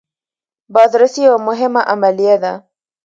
بازرسي یوه مهمه عملیه ده.